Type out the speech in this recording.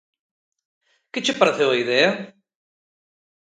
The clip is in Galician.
Que che pareceu a idea?